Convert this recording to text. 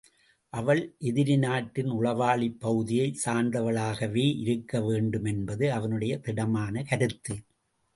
அவள் எதிரி நாட்டின் உளவாளிப் பகுதியை சார்ந்தவளாகவே இருக்க வேண்டுமென்பது அவனுடைய திடமான கருத்து.